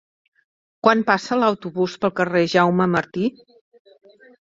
Quan passa l'autobús pel carrer Jaume Martí?